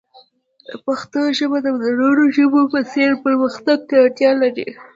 پښتو ژبه د نورو ژبو په څیر پرمختګ ته اړتیا لري.